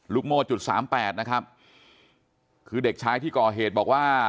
ลุโม๓๘นะครับคือเด็กชายที่ก่อเหตุบอกว่า